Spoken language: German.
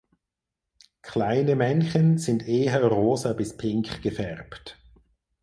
Kleine Männchen sind eher rosa bis pink gefärbt.